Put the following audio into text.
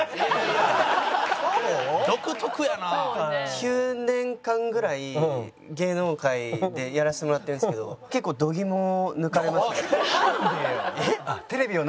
９年間ぐらい芸能界でやらせてもらってるんですけど結構度肝を抜かれましたね。